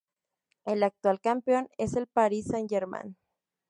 El actual campeón es el Paris Saint-Germain.